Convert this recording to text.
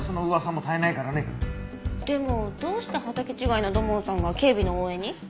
でもどうして畑違いの土門さんが警備の応援に？